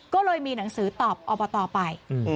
ก็เลยมีหนังสือตอบอบตไป